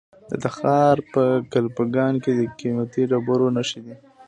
د تخار په کلفګان کې د قیمتي ډبرو نښې دي.